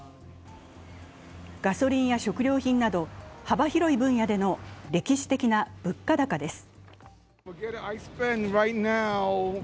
ガソリンや食料品など幅広い分野での歴史的な物価高です。